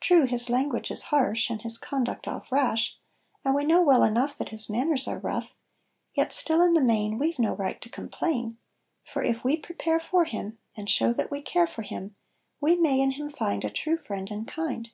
True his language is harsh, And his conduct oft rash, And we know well enough, That his manners are rough; Yet still in the main, We've no right to complain, For if we prepare for him, And show that we care for him, We may in him find A true friend and kind.